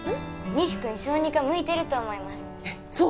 仁志君小児科向いてると思いますえっそう？